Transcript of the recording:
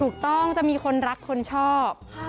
ถูกต้องจะมีคนรักคนชอบ